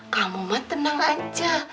kamu mah tenang aja